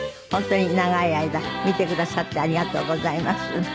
本当に長い間見てくださってありがとうございます。